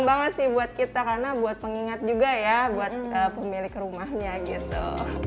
itu sangat penting buat kita karena buat pengingat juga ya buat pemilik rumahnya gitu